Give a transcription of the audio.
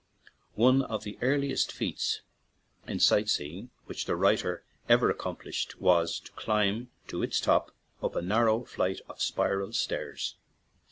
One of the earliest feats in sight seeing which the writer ever accomplished was to climb to its top, up a narrow flight of spiral stairs.